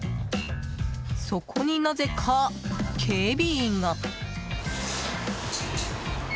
そこに、なぜか警備員が。